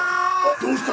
どうした！？